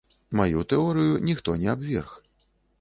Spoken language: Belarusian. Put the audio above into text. Маю тэорыю ніхто не абверг.